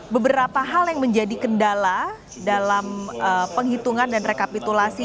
beberapa hal yang menjadi kendala dalam penghitungan dan rekapitulasi